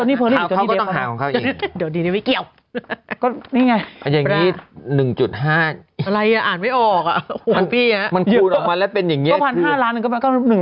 ก๊อเป็น๑๕๐๐ล้านหรือแม่มอยไหม